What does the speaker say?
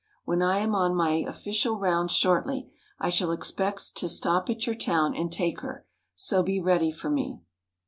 When I am on my official rounds shortly, I shall expect to stop at your town and take her. So be ready for me."